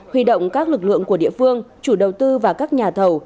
huy động các lực lượng của địa phương chủ đầu tư và các nhà thầu